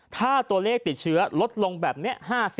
ถ้าตัวเลขติดเชื้อลดลงแบบนี้๕๐